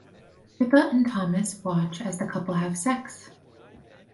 Pippa and Thomas watch as the couple have sex.